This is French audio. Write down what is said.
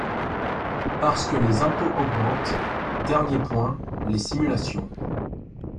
Parce que les impôts augmentent ! Dernier point, les simulations.